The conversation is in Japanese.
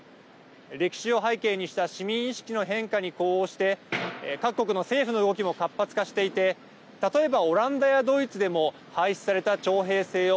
歴史を背景にした市民意識の変化に呼応して各国の政府の動きも活発化していて例えばオランダやドイツでも廃止された徴兵制を